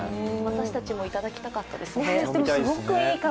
私たちも頂きたかったですね。